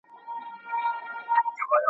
لوی متل دا دخبرو د اداب